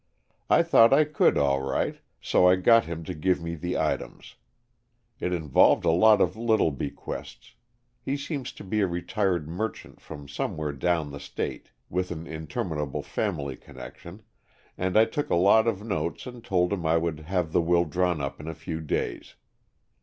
I thought I could all right, so I got him to give me the items. It involved a lot of little bequests, he seems to be a retired merchant from somewhere down the state with an interminable family connection, and I took a lot of notes and told him I would have the will drawn up in a few days.